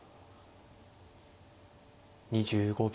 ２５秒。